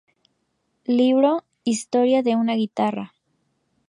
Libro "Historia de una guitarra".